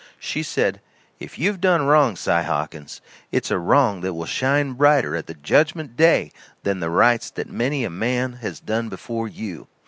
She said: "If you've done wrong, Si Hawkins, it's a wrong that will shine brighter at the judgment day than the rights that many a man has done before you.